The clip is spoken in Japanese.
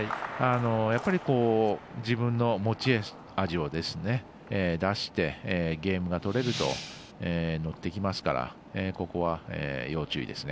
やっぱり、自分の持ち味を出してゲームが取れると乗ってきますからここは、要注意ですね。